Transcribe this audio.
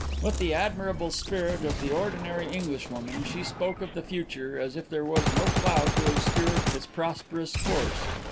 With the admirable spirit of the ordinary Englishwoman, she spoke of the future as if there was no cloud to obscure its prosperous course.